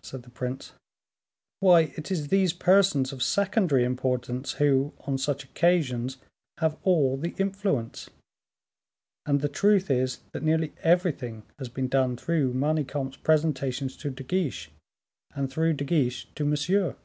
said the prince; "why, it is these persons of secondary importance, who, on such occasions, have all the influence; and the truth is, that nearly everything has been done through Manicamp's presentations to De Guiche, and through De Guiche to Monsieur."